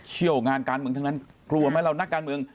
เชี่ยวงานการเมืองทั้งนั้นกลัวไหมเรานักการเมือง